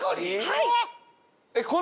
はい。